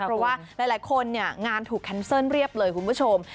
เพราะว่าหลายคนเนี่ยงานถูกแคนเซิลเรียบเลยคุณผู้ชม